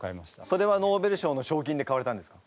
それはノーベル賞の賞金で買われたんですか？